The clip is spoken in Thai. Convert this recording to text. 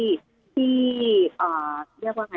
ปกติมันทำในพื้นที่